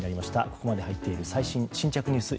ここまで入っている最新新着ニュース